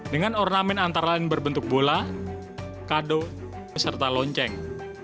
dengan ornamen antara lain berbentuk bola kado beserta lonceng